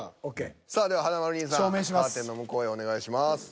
さあでは華丸兄さんカーテンの向こうへお願いします。